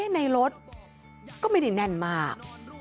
ในรถก็ไม่ได้แน่นมาก